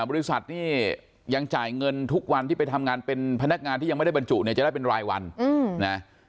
บริษัทนี่ยังจ่ายเงินทุกวันที่ไปทำงานเป็นพนักงานที่ยังไม่ได้บรรจุเนี่ยจะได้เป็นรายวันนะ